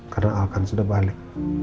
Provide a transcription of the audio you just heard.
karena alkan sudah balik